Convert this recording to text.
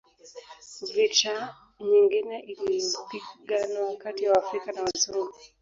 Vita nyingine iliyopiganwa kati ya waafrika na Wazungu